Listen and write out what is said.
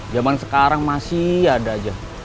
zaman sekarang masih ada aja